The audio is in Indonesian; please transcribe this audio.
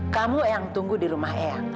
kamu ayang tunggu di rumah ayang